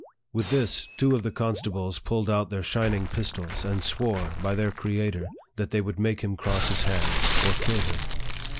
With this, two of the constables pulled out their shining pistols, and swore, by their Creator, that they would make him cross his hands or kill him.